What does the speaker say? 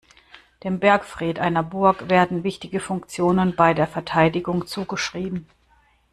Dem Bergfried einer Burg werden wichtige Funktionen bei der Verteidigung zugeschrieben.